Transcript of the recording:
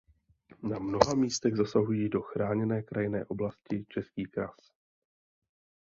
Na mnoha místech zasahují do Chráněné krajinné oblasti Český kras.